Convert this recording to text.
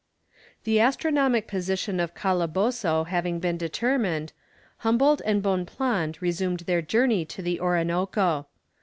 The astronomic position of Calabozo having been determined, Humboldt and Bonpland resumed their journey to the Orinoco.